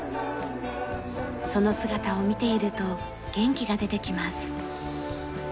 その姿を見ていると元気が出てきます。